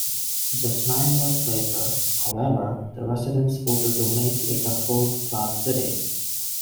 Just nine years later, however, the residents voted to make it a fourth-class city.